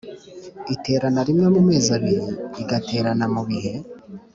Iterana rimwe mumezi abiri igaterana mu bihe